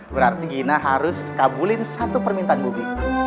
berarti gina harus kabulin satu permintaan bumi